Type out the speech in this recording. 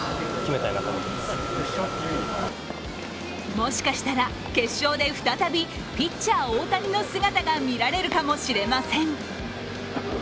もしかしたら決勝で再びピッチャー・大谷の姿が見られるかもしれません。